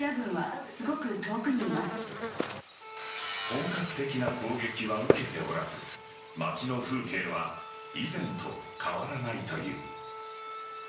本格的な攻撃は受けておらず街の風景は以前と変わらないという。